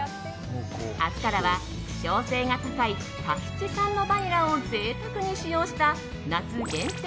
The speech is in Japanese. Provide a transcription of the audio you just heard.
明日からは希少性が高いタヒチ産のバニラを贅沢に使用した、夏限定